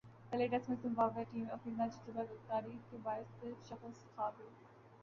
پہلے ٹیسٹ میں Zimbabwe team اپنی ناتجربہ کاری کے باعث شکست کھاگئی